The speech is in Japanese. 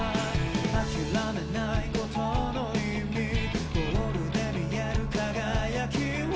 「諦めないことの意味」「ゴールで見える輝きを」